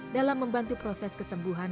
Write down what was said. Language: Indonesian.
dalam membantu proses kesembuhan